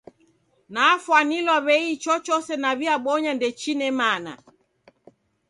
Nafwanilwa w'ei ichochose naw'iabonya ndechine mana.